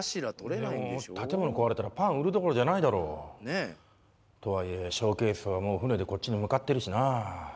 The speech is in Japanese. でも建物壊れたらパン売るどころじゃないだろう。とはいえショーケースはもう船でこっちに向かってるしなあ。